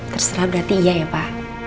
terserah berarti iya ya pak